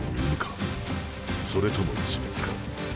それとも自滅か。